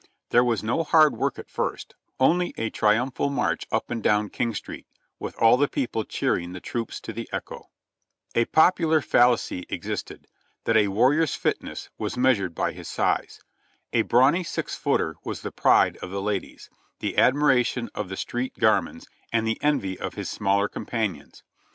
There was no hard work at first, only a triumphal march up and down King Street, with all the people cheering the troops to the echo. A popular fallacy existed : that a warrior's fitness was measured by his size. A brawny six footer was the pride of the ladies, the admiration of the street gamins and the envy of his smaller com panions.